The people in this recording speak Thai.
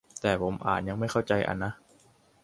แต่ผมอ่านยังไม่เข้าใจอ่ะนะ